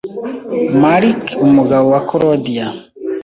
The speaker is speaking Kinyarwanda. Mark umugabo wa Claudia